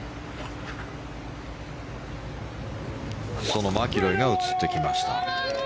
そのマキロイが映ってきました。